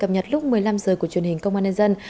cập nhật lúc một mươi năm h của truyền hình công an nhân dân